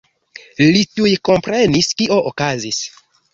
Li tuj komprenis, kio okazis.